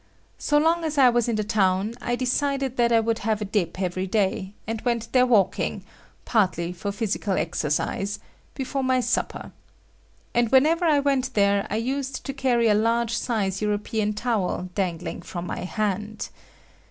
So long as I was in the town, I decided that I would have a dip every day, and went there walking, partly for physical exercise, before my supper. And whenever I went there I used to carry a large size European towel dangling from my hand.